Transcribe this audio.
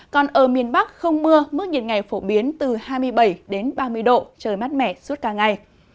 còn ở miền bắc không mưa mức nhiệt ngày phổ biến từ hai mươi bảy đến ba mươi độ trời mát mẻ suốt cả ngày